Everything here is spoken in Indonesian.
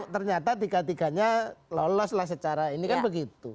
ternyata tiga tiganya loloslah secara ini kan begitu